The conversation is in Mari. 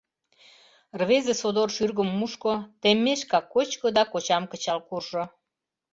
Рвезе содор шӱргым мушко, теммешкак кочко да кочам кычал куржо.